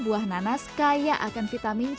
buah nanas kaya akan vitamin